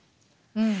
うん。